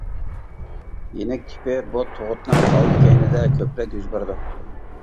يېنىك تىپى بۇ تۇغۇتنىڭ ئالدى-كەينىدە كۆپرەك يۈز بېرىدۇ.